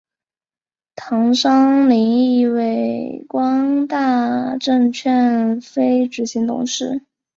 唐双宁亦为光大证券非执行董事。